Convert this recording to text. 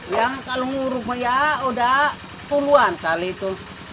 yang kalau nguruknya ya udah puluhan kali itu